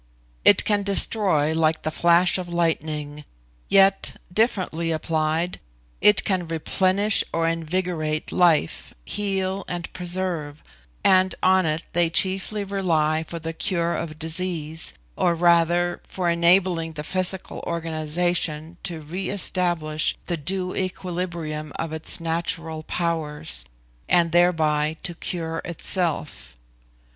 It can destroy like the flash of lightning; yet, differently applied, it can replenish or invigorate life, heal, and preserve, and on it they chiefly rely for the cure of disease, or rather for enabling the physical organisation to re establish the due equilibrium of its natural powers, and thereby to cure itself.